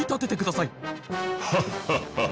ハッハッハ！